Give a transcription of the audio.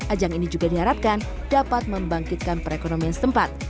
ajang ini juga diharapkan dapat membangkitkan perekonomian setempat